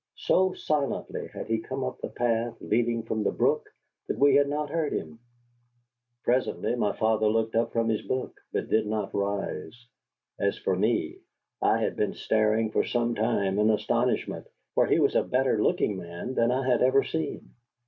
So silently had he come up the path leading from the brook that we had not heard him. Presently my father looked up from his book, but did not rise. As for me, I had been staring for some time in astonishment, for he was a better looking man than I had ever seen.